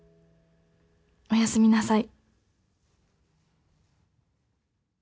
「おやすみなさい」